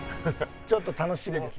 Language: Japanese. ちょっと楽しみに。